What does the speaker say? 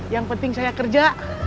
yang penting saya kerja